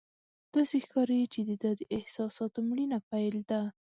داسې ښکاري چې د ده د احساساتو مړینه پیل ده.